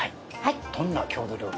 どんな郷土料理？